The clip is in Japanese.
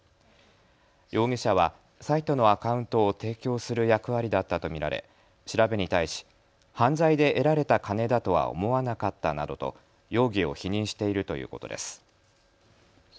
容疑者はサイトのアカウントを提供する役割だったと見られ調べに対し犯罪で得られた金だとは思わなかったなどと容疑を否認しているということです。